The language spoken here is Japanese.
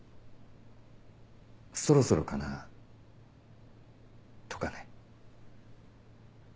そろそろかなとかね。